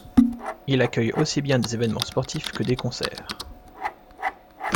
Il accueille aussi bien des événements sportifs que des concerts.